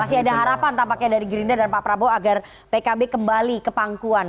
masih ada harapan tampaknya dari gerindra dan pak prabowo agar pkb kembali ke pangkuan